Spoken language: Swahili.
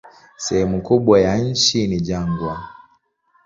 Sehemu kubwa ya nchi ni jangwa.